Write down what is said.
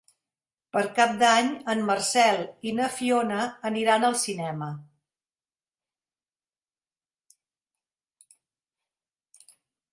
Per Cap d'Any en Marcel i na Fiona aniran al cinema.